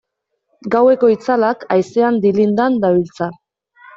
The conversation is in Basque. Gaueko itzalak haizean dilindan dabiltza.